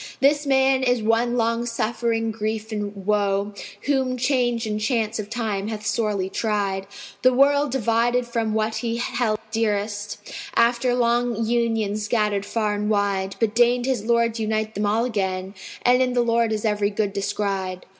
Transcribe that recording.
This man is one long suffering grief and woe; * Whom change and chance of Time hath sorely tried: The World divided from what held he dearest, * After long union scattered far and wide; But deigned his Lord unite them all again, * And in the Lord is every good descried.